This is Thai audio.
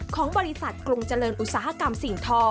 ของบริษัทกรุงเจริญอุตสาหกรรมสิ่งทอ